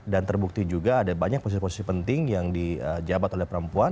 dan terbukti juga ada banyak posisi posisi penting yang dijabat oleh perempuan